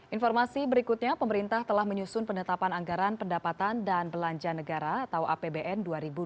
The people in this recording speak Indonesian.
informasi berikutnya pemerintah telah menyusun penetapan anggaran pendapatan dan belanja negara atau apbn dua ribu dua puluh